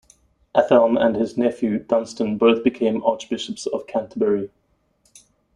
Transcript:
Athelm and his nephew Dunstan both became Archbishops of Canterbury.